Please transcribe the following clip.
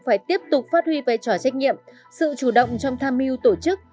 phải tiếp tục phát huy vai trò trách nhiệm sự chủ động trong tham mưu tổ chức